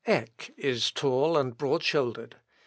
] "Eck is tall and broad shouldered.